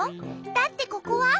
だってここは。